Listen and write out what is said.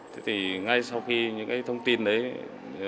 thế thì ngay sau khi những cái thông tin đấy